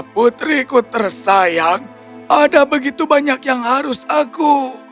putriku tersayang ada begitu banyak yang harus aku